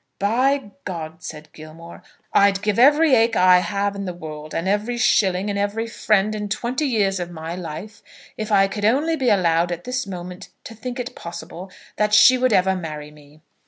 "By G ," said Gilmore, "I'd give every acre I have in the world, and every shilling, and every friend, and twenty years of my life, if I could only be allowed at this moment to think it possible that she would ever marry me!"